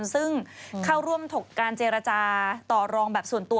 ซึ่งเข้าร่วมการเจรจาต่อรองแบบส่วนตัว